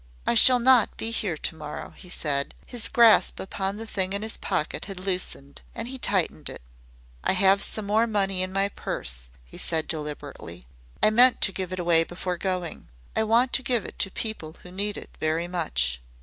"I shall not be here to morrow," he said. His grasp upon the thing in his pocket had loosened, and he tightened it. "I have some more money in my purse," he said deliberately. "I meant to give it away before going. I want to give it to people who need it very much."